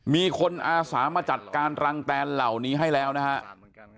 มีคนอาสามาจัดการรังแตนเหล่านี้ให้แล้วนะครับ